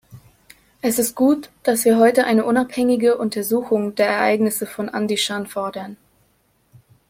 Es ist gut, dass wir heute eine unabhängige Untersuchung der Ereignisse von Andischan fordern.